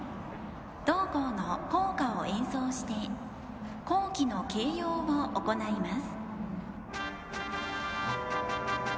同校の校歌を演奏して校旗の掲揚を行います。